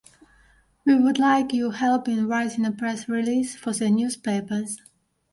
We would like your help in writing a press release for the newspapers.